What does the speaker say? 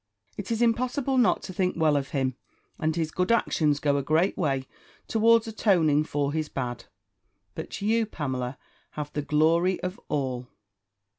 It is impossible not to think well of him; and his good actions go a great way towards atoning for his bad." But you, Pamela, have the glory of all.